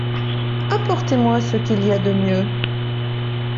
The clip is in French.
Apportez-moi ce qu'il y a de mieux.